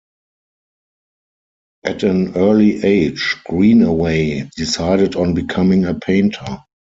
At an early age Greenaway decided on becoming a painter.